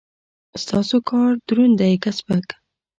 ستاسو کار دروند دی که سپک؟